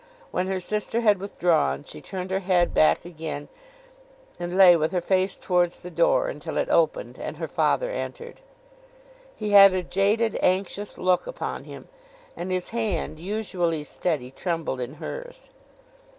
When her sister had withdrawn, she turned her head back again, and lay with her face towards the door, until it opened and her father entered. He had a jaded anxious look upon him, and his hand, usually steady, trembled in hers.